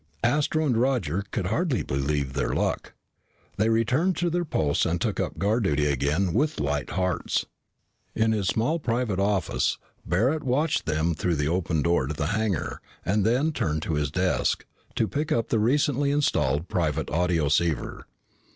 Astro and Roger could hardly believe their luck. They returned to their posts and took up guard duty again with light hearts. In his small private office, Barret watched them through the open door to the hangar and then turned to his desk, to pick up the recently installed private audioceiver.